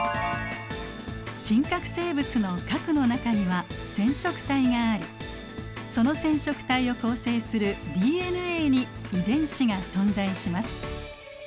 真核生物の核の中には染色体がありその染色体を構成するＤＮＡに遺伝子が存在します。